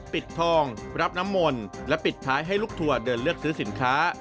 ปิดทองรับน้ำมนต์และปิดท้ายให้ลูกทัวร์เดินเลือกซื้อสินค้า